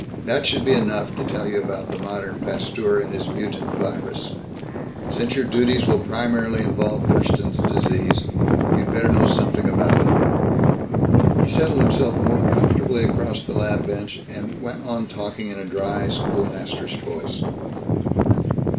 That should be enough to tell you about the modern Pasteur and his mutant virus. Since your duties will primarily involve Thurston's Disease, you'd better know something about it." He settled himself more comfortably across the lab bench and went on talking in a dry schoolmasterish voice.